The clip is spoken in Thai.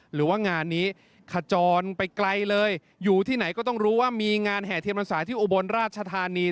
หรือว่างานนี้ขจรไปไกลเลยอยู่ที่ไหนก็ต้องรู้ว่ามีงานแห่เทียนพรรษาที่อุบลราชธานี